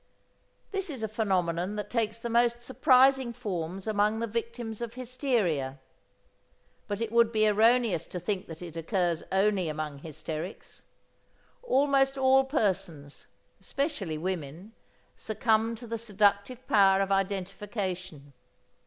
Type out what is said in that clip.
This is a phenomenon that takes the most surprising forms among the victims of hysteria. But it would be erroneous to think that it occurs only among hysterics. Almost all persons, especially women, succumb to the seductive power of identification.